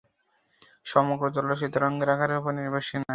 সমগ্র জলরাশি তরঙ্গের আকারের উপর নির্ভরশীল নয়।